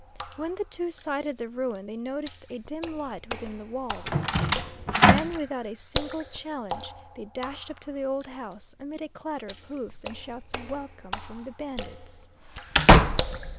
When the two sighted the ruin they noticed a dim light within the walls. Then, without a single challenge, they dashed up to the old house, amid a clatter of hoofs, and shouts of welcome from the bandits.